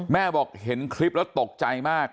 แม่บอกเห็นคลิปแล้วตกใจมาก